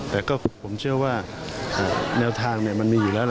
แต่ก็ผมเชื่อว่าแนวทางมันมีอยู่แล้วล่ะ